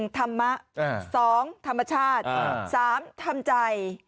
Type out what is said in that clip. ๑ธรรมะ๒ธรรมชาติ๓ธรรมใจ